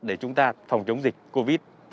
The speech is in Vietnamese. để chúng ta phòng chống dịch covid